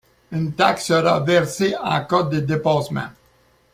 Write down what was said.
Une taxe sera versée en cas de dépassement.